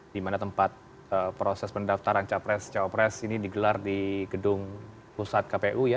di mana tempat proses pendaftaran capres cawapres ini digelar di gedung pusat kpu ya